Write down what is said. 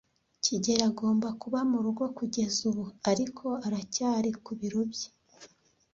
kigeli agomba kuba murugo kugeza ubu, ariko aracyari ku biro bye.